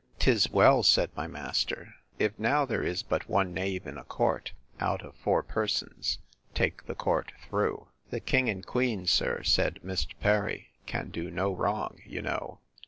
'Tis well, said my master, if now there is but one knave in a court, out of four persons, take the court through. The king and queen, sir, said Mr. Perry, can do no wrong, you know.